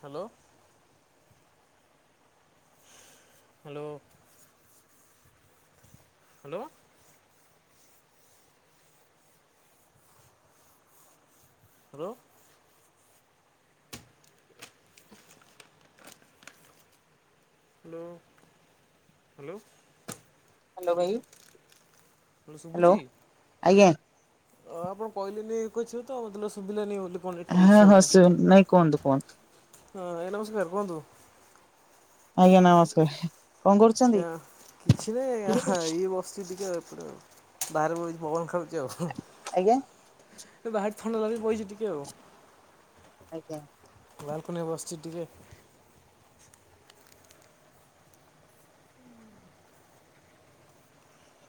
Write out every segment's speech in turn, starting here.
Hello. Hello. Hello. Hello. [inaudible] Hello hello. Hello ଭାଇ। କଣ hello ଶୁବୁଚି? ଆଜ୍ଞା। ଅଁ ଆପଣ କହିଲେନି କିଛିତ ମତେ ଲାଗିଲା ଶୁଭିଲାନି ବୋଲି। କଣ ନେଟୱାର୍କ ହ ଇସୁ ହଁ ହେଲା। ସ ନାଇଁ କୁହନ୍ତୁ କୁହନ୍ତୁ। ହଁ ଆଜ୍ଞା ନମସ୍କାର କୁହନ୍ତୁ। ଆଜ୍ଞା ନମସ୍କାର। କଣ କରୁଛନ୍ତି? କିଛି ନାଇଁ ଆଜ୍ଞା ଏଇ ବସିଚି ଟିକେ ଏପଟେ ବାହାରେ ବଇଚି ପବନ ଖାଉ ଚିଆଉ ହୁଁ ଆଜ୍ଞା ବାହାରେ ଥଣ୍ଡା ଲାଗୁଚି ବଇଚି ଟିକେ ଆଉ। ଆଜ୍ଞା। ବାଲୁକୁନିରେ ବସିଚି ଟିକେ।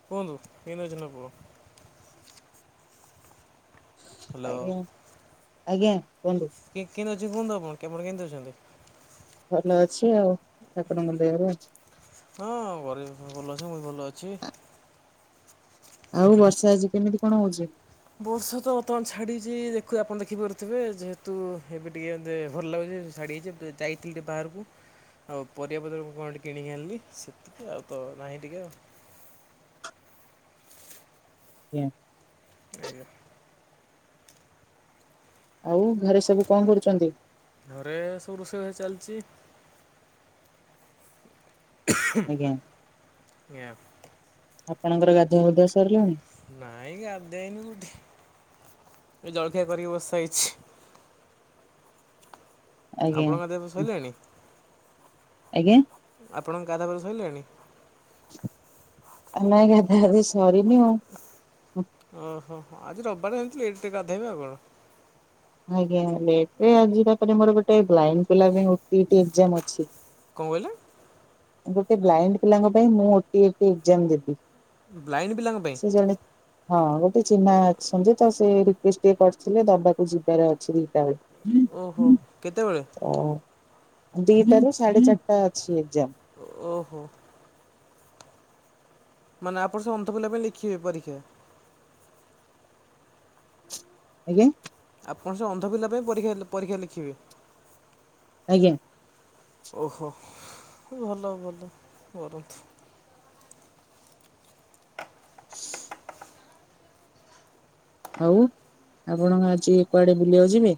କୁହନ୍ତୁ କେନେ ଅଛନ୍ତି ଆପଣ? ହ୍ୟାଲୋ ଆଜ୍ଞା ଆଜ୍ଞା କୁହନ୍ତୁ। କି କିନ୍ତି ଅଛି କୁହନ୍ତୁ ଆପଣ କେବଣ କେନ୍ତି ଅଛନ୍ତି? ଭଲ ଅଛି ଆଉ ଠାକୁରଙ୍କ ଦୟାରୁ। ହଁ ଘରେ ସମସ୍ତେ ଭଲ ଅଛି ମୁଁ ବି ଭଲ ଅଛି। ଆଉ ବର୍ଷା ଆଜି କେମିତି କଣ ହଉଚି? ବର୍ଷାତ ବର୍ତ୍ତମାନ୍ ଛାଡ଼ିଚି ଦେଖୁ ଆପଣ ଦେଖିପାରୁଥିବେ ଯେହେତୁ ଏବେ ଟିକେ ଇନ୍ତି ଭଲ ଲାଗୁଚି। ଛାଡ଼ିଯାଇଚି ଏବେ ଯାଇଥିଲି ଟିକେ ବାହାରକୁ ଆଉ ପରିବାପତ୍ରକୁ କଣ ଟିକି କିଣିକି ଆଣିଲି ସେତିକି ଆଉତ ନାହିଁ ଟିକେ ଆଉ। ଆଜ୍ଞା। ଆଜ୍ଞା। ଆଉ ଘରେ ସବୁ କଣ କରୁଚନ୍ତି? ଘରେ ସବୁ ରୋଷେଇ ବାସ ଚାଲିଚି। ଆଜ୍ଞା [unintelligible] ଆପଣଙ୍କର ଗାଧୁଆ ପାଧୁଆ ସରିଲାଣି? ନାଇଁ ଗାଧେଇନି କୋଉଠି ଏ ଜଳଖିଆ କରିକି ବସାସାଇଚି। ଆଜ୍ଞା ଆପଣଙ୍କ ଗାଧୁଆ ପାଧୁଆ ଶଇଲାଣି? ଆଜ୍ଞା? ଆପଣଙ୍କ ଗାଧା ପାଧା ସରିଲାଣି? ନାଇଁ ଗାଧା ଗାଧି ସରିନି ମୁ ଓହୋ ଆଜି ରବିବାରେ ଜାଣିଥିଲେ ଲେଟ୍ ଟିକେ ଗାଧେଇବେ ଆଉ କଣ? ଆଜ୍ଞା ଲେଟରେ ଆଜି ତାପରେ ମୋର ଗୋଟେ ବ୍ଲାଇଣ୍ଡ ପିଲା ପାଇଁ ଓ ଟି ଇ ଟି ଏଗ୍ଜାମ୍ ଅଛି। କଁ କହିଲେ? ଗୋଟେ ବ୍ଲାଇଣ୍ଡ ପିଲାଙ୍କ ପାଇଁ ମୁଁ O T E T exam ଦେବି। ବ୍ଲାଇଣ୍ଡ ପିଲାଙ୍କ ପାଇଁ ସେ ଜଣେ ହଁ ଗୋଟେ ଚିହ୍ନା ଅ ସଞ୍ଜୟତ ସେ ରିକୁଏଷ୍ଟ ଟିକେ କରିଥିଲେ ଦବାକୁ ଯିବାର ଅଛି ଦିଟା ବେଳେ। ଓହୋ କେତେବେଳେ? ଓ ଦିଟାରୁ ସାଢେ ଚାରିଟା ଅଛି ଏଗ୍ଜାମ୍। ଓହୋ। ମାନେ ଆପଣ ସେଅନ୍ଧ ପିଲା ପାଇଁ ଲେଖିବେ ପରୀକ୍ଷା? ଆଜ୍ଞା? ଆପଣ ସେଅନ୍ଧ ପିଲା ପାଇଁ ପରୀକ୍ଷା ପରୀକ୍ଷା ଲେଖିବେ? ଆଜ୍ଞା। ଓହୋ ଭଲ ଭଲ କରନ୍ତୁ। [unintelligible] ଆଉ ଆପଣ ଆଜି କୁଆଡ଼େ ବୁଲିବାକୁ ଯିବେ?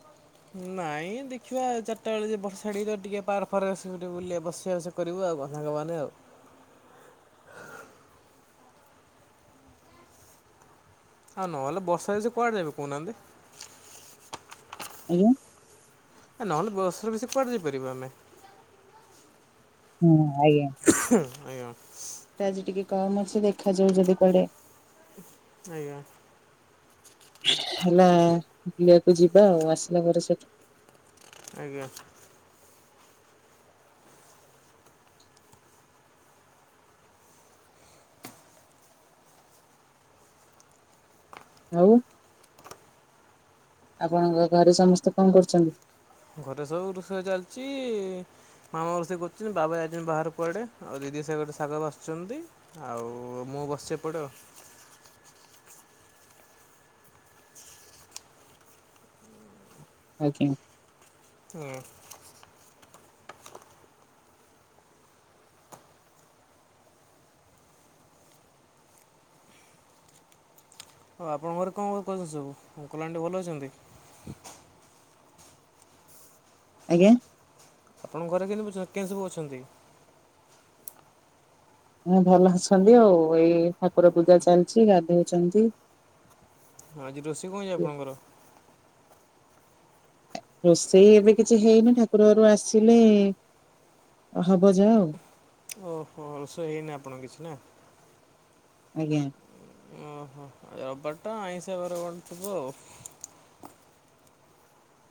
ନାଇଁ ଦେଖିବା ଚାରିଟା ବେଳେ ଯେ ବର୍ଷାଡିକ ତ ଟିକେ ପାର ଫାର ଆସେ ଟିକେ ବୁଲିବା ବସିବା ଆସି କରିବୁ ଆଉ କଣ ସାଙ୍ଗମାନେ ଆଉ। ଆଉ ନହେଲେ ବର୍ଷା ରେ ସେ କୁଆଡ଼େ ଯାଇବେ କହୁନାହାନ୍ତି। ଆଜ୍ଞା। ନହେଲେ ବସରେ ବେଶୀ କୁଆଡ଼େ ଯାଇପାରିବୁ ଆମେ। ହୁଁ, ଆଜ୍ଞା। ଆଜ୍ଞା। ଆଜି ଟିକେ କମ ଅଛି ଦେଖାଯାଉ ଯଦି କୁଆଡ଼େ ଆଜ୍ଞା। ହେଲା ବୁଲିବାକୁ ଯିବା ଆଉ ଆସିଲା ପରେ ସେଠୁ। ଆଜ୍ଞା। ଆଉ ଆପଣଙ୍କ ଘ ଘରେ ସମସ୍ତେ କଣ କରୁଛନ୍ତି? ଘରେ ସବୁ ରୋଷେଇ ଚାଲିଛି ମାମା ରୋଷେଇ କରୁଛନ୍ତି, ବାବା ଯାଇଛନ୍ତି ବାହାର କୁଆଡ଼େ, ଆଉ ଦିଦି ସେ ଘରେ ଶାଗ ବାଛୁଛନ୍ତି। ଆଉ ମୁଁ ବସିଛି ଏପଟେ ଆଉ। ଆଜ୍ଞା। ହୁଁ। ଆଉ ଆପଣଙ୍କ ଘରେ କଣ କରୁଛନ୍ତି ସବୁ, ଅଙ୍କଲ ଆଣ୍ଟି ଭଲ ଅଛନ୍ତି? ଆଜ୍ଞା। ଆପଣଙ୍କ ଘରେ କେମିତି ବଛନ୍ତି କେଁ ସବୁ ଅଛନ୍ତି? ହଁ ଭଲ ଅଛନ୍ତି ଆଉ ଏଇ ଠାକୁର ପୂଜା ଚାଲିଛି ଗାଧଉଛନ୍ତି ହଁ ଆଜି ରୋଷେଇ କଣ ହେଇଛି ଆପଣଙ୍କର? ରୋଷେଇ ଏବେ କିଛି ହେଇନି ଠାକୁର ଘରୁ ଆସିଲେ ହବ ଯାହା ଆଉ। ଓହୋ ରୋଷେଇ ହେଇନି ଆପଣଙ୍କ କିଛି ନା। ଆଜ୍ଞା। ଓହୋ ରବିବାରଟା ଆଇଁସା ବାର କଣ ଗୋଟେ ଥିବ ଆଉ।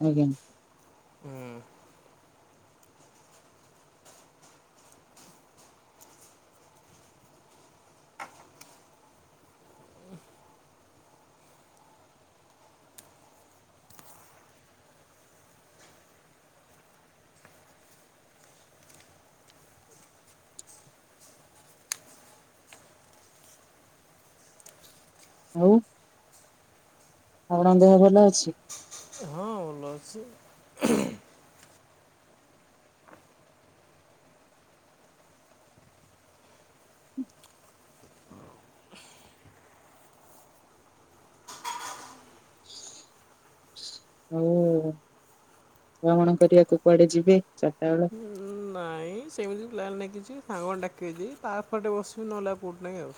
ଆଜ୍ଞା। ହୁଁ। ଆଉ ଆପଣଙ୍କ ଦେହ ଭଲ ଅଛି? ହଁ ଭଲ। ଅଛି ଆଉ ଭ୍ରମଣ କରିବାକୁ କୁଆଡ଼େ ଯିବେ ଚାରିଟା ବେଳ? ଉଁ, ନାଇଁ ସେମିତି ପ୍ଲାନ୍ ନାହିଁ କିଛି ସାଙ୍ଗମାନେ ଡାକିବେ ଯଦି ପାର୍କ ପଟେ ବସିବୁ ନହେଲେ ଆଉ କେଉଠି ନାହିଁ ଆଉ।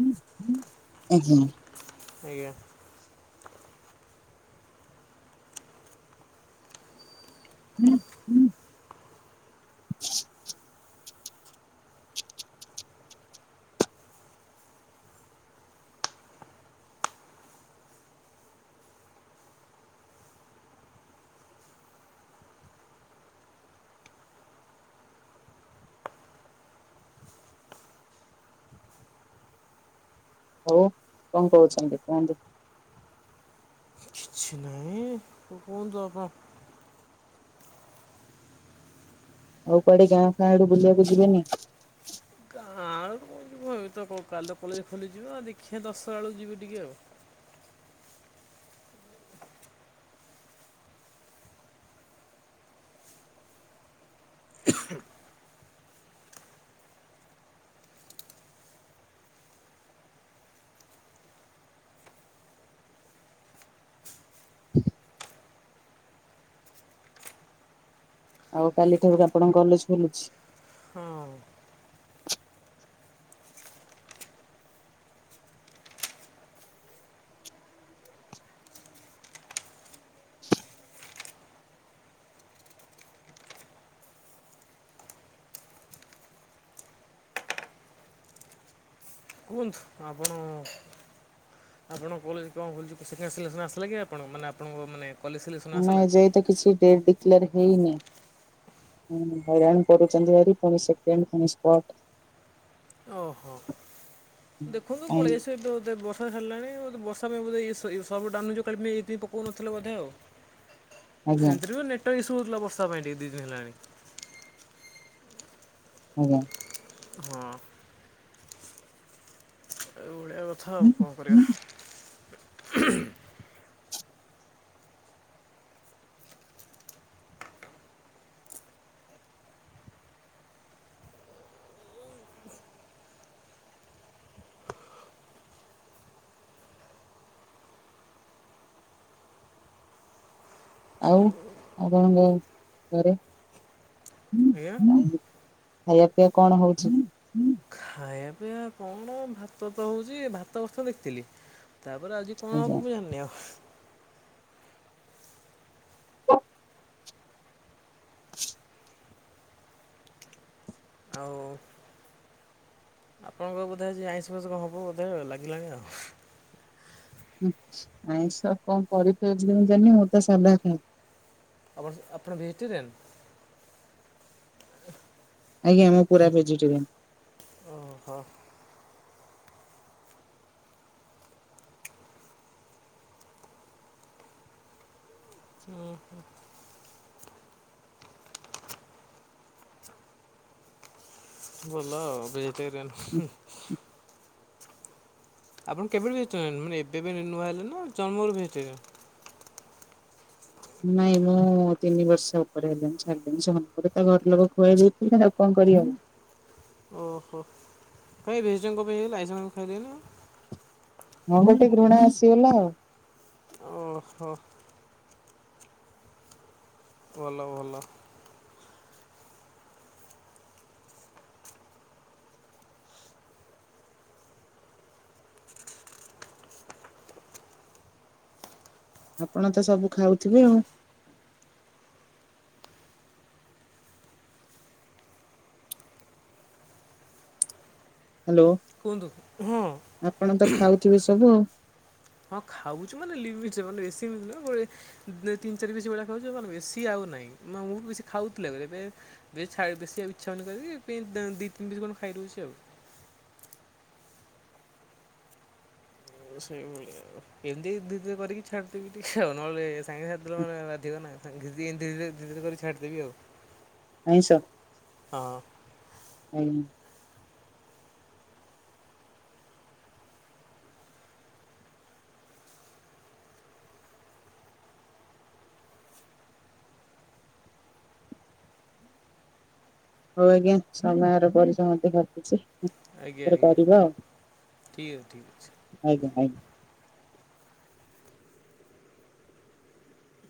ହୁଁ, ହୁଁ, ଆଜ୍ଞା। ଆଜ୍ଞା। ହୁଁ, ହୁଁ। [inaudible] ଆଉ କଣ କହୁଛନ୍ତି କୁହନ୍ତୁ? କିଛି ନାହିଁ କୁହନ୍ତୁ ଆପଣ? ଆଉ କୁଆଡ଼େ ଗାଁ ଫା ଆଡେ ବୁଲିବାକୁ ଯିବେନି କି? ଗାଁ ଆଉ କଣ ଯିବୁ ହଁ ଏ ତ କାଲି ତ କଲେଜ ଖୋଲିଯିବ ଆଉ ଦେଖିବା ଦଶରା ବେଳକୁ ଯିବି ଟିକିଏ ଆଉ। ଆଉ କାଲି ଠାରୁକୁ ଆପଣଙ୍କ କଲେଜ ଖୋଲୁଛି? ହଁ। କୁହନ୍ତୁ ଆପଣ ଆପଣ କଲେଜ କଣ ଖୋଲିୁଛି ସେକଣ୍ଡ ସିଲେକ୍ସନ ଆସିଲା କି ଆପଣ ମାନେ ଆପଣଙ୍କ ମାନେ କଲେଜ ସିଲେକ୍ସନ୍ ଆମ ଆସିଲା? ଏ ଯାଏ ତ କିଛି ଡେଟ୍ ଡିକ୍ଲେୟାର ହେଇନି। ହ ହଇରାଣ କରୁଛନ୍ତି ଭାରି ପୁଣି ସେକେଣ୍ଡ ପୁଣି ଷ୍ଟାର୍ଟ। ଓହୋ, ଦେଖନ୍ତୁ ପାଇଁ ପଳେଇ ଆସିବେ ଦୋ ଦେ ବର୍ଷ ବର୍ଷା ହେଲାଣି ବର୍ଷା ପାଇଁ ବୋଧେ ସର୍ଭୋ ଡାଉନ୍ ହେଇଯିବ କାଲି ପୁଣି ଏଇଥି ପାଇଁ ପକଉନଥିଲେ ବଧେ ଆଉ। ଆଜ୍ଞା ସେମିତିରେ ବି ନେଟୱାର୍କ ଇସୁ ହଉଥିଲା ବର୍ଷା ପାଇଁ ଟିକେ ଦି ଦିନ ହେଲାଣି। ଆଜ୍ଞା। ହଁ। ଏୟା କଥା ଆଉ କଣ କରିବା? ଆଉ ଆପଣଙ୍କ ଘରେ ଆଜ୍ଞା। ହଁ ଖାଇବା ପିଇବା କଣ ହଉଛି? ଖାଇବା ପିଇବା କଣ ଭାତ ତ ହେଉଛି ଭାତ ବଥ ଦେଖିଥିଲି ତାପରେ ଆଜି କଣ ଆଜ୍ଞା। ହବ ମୁ ଜାଣିନି ଆଉ। [inaudible] ଆଉ ଆପଣଙ୍କର ବୋଧେ ଆଜି ଆଇଁଷ ଫାଇଁଷ କଣ ହବ ବୋଧେ ଲାଗିଲାଣି ଆଉ। ଆଇଁଷ କଣ କରିବି ଆଜି ମୁଁ ଜାଣିନି ମୁ ତ ସାଧା ଖାଏ। ଆପଣ ଆପଣ ଭେଜିଟେରିିଆନ୍? ଆଜ୍ଞା ମୁଁ ପୁରା ଭେଜିଟେରିଆନ୍। ଓହୋ। ହୁଁ ହୁଁ। ଭଲ ଆଉ ଭେଜିଟେରିଆନ। ଆପଣ କେବେଠୁ ଭେଜିଟେରିଆନ ମାନେ ଏବେ ଏବେ ନୁଆ ହେଲେ ନା ଜନ୍ମରୁ ଭେଜିଟେରିଆନ? ନାଇଁ ମୁଁ ତିନି ବର୍ଷ ଉପରେ ହେଲିଣି ଛଡିଲିଣି ଜନ୍ମରୁ ତ ଘରଲୋକ ଖୁଆଇ ଦେଇଥିଲେ ଆଉ। କଣ କରିହବ। ଓହୋ କଣ ଭେଜିଟେରିଆନ କଣ ପାଇଁ ହେଇଗଲେ? ଆଇଁଷ ଫାଇଁଷ ଖାଇଲେନି ଆଉ? ମୋ ଗୋଟେ ଘୃଣା ଆସିଗଲା ଆଉ। ଓ ହୋ। ଭଲ ଭଲ। ଆପଣ ତ ସବୁ ଖାଉଥିବେ ଆଉ। ହ୍ୟାଲୋ କୁହନ୍ତୁ ହଁ। ଆପଣ ତ ଖାଉଥିବେ ସବୁ ଆଉ। ହଁ ଖାଉଛି ମାନେ ଲିମିଟରେ ମାନେ ବେଶୀ ବି ନୁହଁ ଗୋଟେ ତିନି ଚାରି ପିସ୍ ଭଳିଆ ଖାଉଚି ଆଉ କଣ ବେଶୀ ଆଉ ନାହିଁ ମୁଁ ବେଶୀ ଖାଉଥିଲେ ଆଗରୁ ଏବେ ଏବେ ଛାଡି ବେଶି ଆଉ ଇଚ୍ଚ୍ଛା ହଉନି କରିକି ବ ଦି ତିନି ପିସ୍ କଣ ଖାଇଦଉଚି ଆଉ। ସେଇଭଳିଆ ଏମିତି ଦୁଇ ଦ କରିକି ଛାଡିଦେବି ଟିକେ ଆଉ ନହେଲେ ସାଙ୍ଗେ ସାଥି ଦେଲେ ମାନେ ବାଧିବ ନା। ଧୀରେ ଧୀରେ ଧୀରେ ଧୀରେ କରି ଛାଡିଦେବି ଆଉ। ଆଇଁଷ? ହଁ। ଆଇଁ ହଉ ଆଜ୍ଞା ସମୟର ପରିସମତି ଘଟୁଛି। ଆଜ୍ଞା ଆଜ୍ଞା କରିବା ଆଉ ଠିକ୍ ଅଛି ଠିକ୍ ଅଛି ଆଜ୍ଞା ଆଜ୍ଞା।